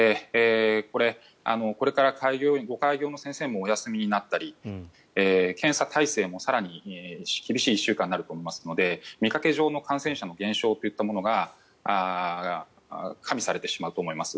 これは、これからご開業の先生もお休みになったり検査体制も更に厳しい１週間になると思いますので見かけ上の感染者の減少といったものが加味されてしまうと思います。